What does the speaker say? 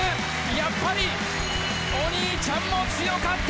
やっぱりお兄ちゃんも強かった！